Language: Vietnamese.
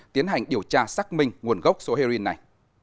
tiến hành điều tra xác minh nguồn gốc số heroin này